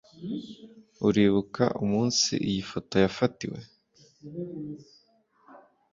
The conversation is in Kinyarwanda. uribuka umunsi iyi foto yafatiwe